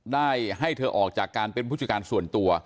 ได้ให้เธอออกจากการเป็นผู้จัดการส่วนตัว